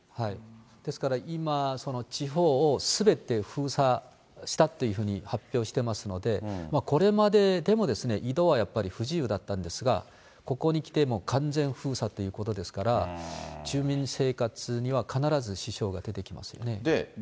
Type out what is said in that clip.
ですから、今、地方をすべて封鎖したっていうふうに発表してますので、これまででも移動はやっぱり不自由だったんですが、ここにきて、もう完全に封鎖ということですから、住民生活には必ず支障が出てきますよね。